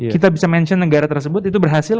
kita bisa mention negara tersebut itu berhasil